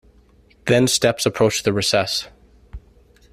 Then steps approached the recess.